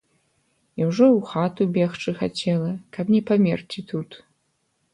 І ўжо ў хату бегчы хацела, каб не памерці тут.